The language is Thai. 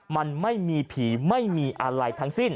มันไม่มีผีไม่มีอะไรทั้งสิ้น